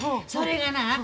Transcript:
それがな